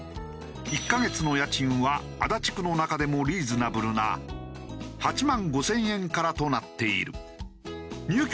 １カ月の家賃は足立区の中でもリーズナブルな８万５０００円からとなっている。